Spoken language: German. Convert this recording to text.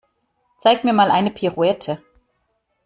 Zeig mir mal eine Pirouette.